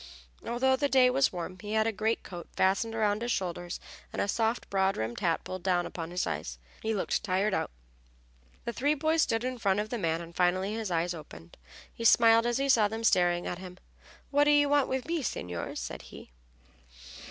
Although the day was warm he had a greatcoat fastened about his shoulders and a soft, broad brimmed hat pulled down upon his head. He looked tired out. The three boys stood in front of the man, and finally his eyes opened. He smiled as he saw them staring at him. "What do you want with me, signors?" said he.